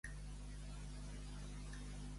Fotre, quin tocat!